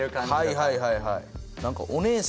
はいはいはいはい。